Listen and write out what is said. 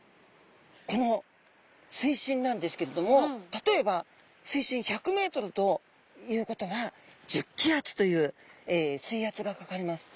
この水深なんですけれども例えば水深１００ｍということは１０気圧という水圧がかかります。